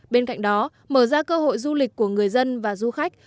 bên cạnh đó mở ra cơ hội du lịch của người dân và du khách